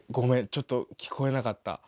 ちょっと聞こえなかった。